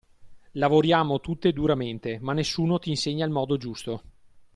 Lavoriamo tutte duramente, ma nessuno ti insegna il modo giusto.